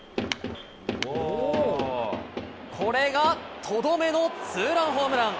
これがとどめのツーランホームラン。